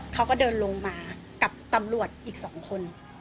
เขาก็เดินลงมากับตำรวจอีก๒คน